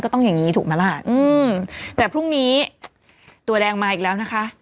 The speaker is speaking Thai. ต้องอย่างนี้ถูกไหมล่ะอืมแต่พรุ่งนี้ตัวแดงมาอีกแล้วนะคะ